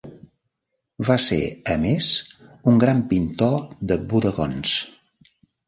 Va ser a més un gran pintor de bodegons.